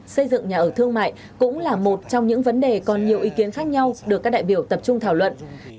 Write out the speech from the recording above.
xây dựng nhà ở thương mại cũng là một trong những vấn đề còn nhiều ý kiến khác nhau được các đại biểu tập trung thảo luận